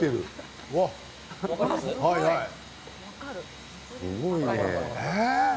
すごいね。